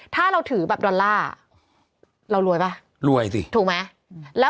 ถ้าเราถือแบบดอลลาร์เรารวยป่ะรวยสิถูกไหมแล้ว